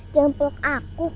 jangan peluk aku